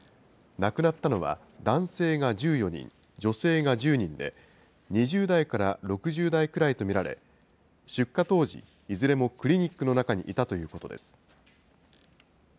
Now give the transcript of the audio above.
亡くなったのは男性が１４人、女性が１０人で、２０代から６０代くらいと見られ、出火当時、いずれもクリニックの中にいたということです。